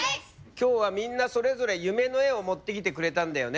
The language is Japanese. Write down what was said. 今日はみんなそれぞれ夢の絵を持ってきてくれたんだよね。